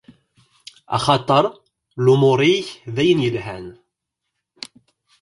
Axaṭer lumuṛ-ik d ayen yelhan.